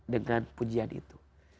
dengan pujian itu